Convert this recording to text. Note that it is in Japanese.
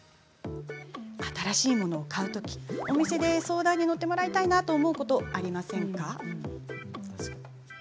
新しいものを買うときお店で相談にのってもらいたいなと思うことありませんか。